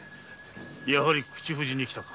やはり口封じに来たか。